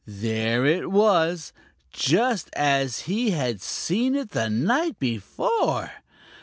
There it was, just as he had seen it the night before!